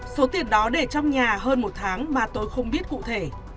số tiền đó để trong nhà hơn một tháng mà tôi không biết cụ thể